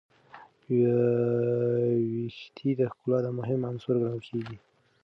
ویښتې د ښکلا مهم عنصر ګڼل کېږي.